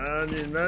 何？